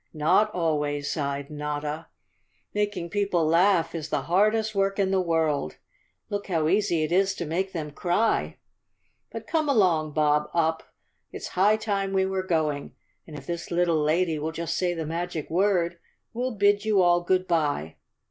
" Not always," sighed Notta. " Making people laugh is the hardest work in the world. Look how easy it is to make them cry? But come along, Bob Up. It's high time we were going, and if this little lady will just say the magic word we'll bid you all good bye.